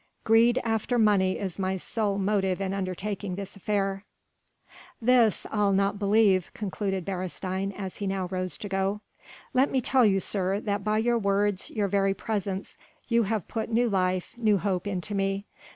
Greed after money is my sole motive in undertaking this affair." "This I'll not believe," concluded Beresteyn as he now rose to go. "Let me tell you, sir, that by your words, your very presence, you have put new life, new hope into me.